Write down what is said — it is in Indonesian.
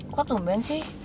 kok tumpen sih